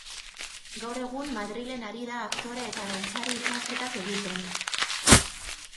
Gaur egun Madrilen ari da aktore eta dantzari ikasketak egiten.